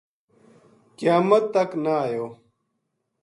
قیامت تک نہ ایو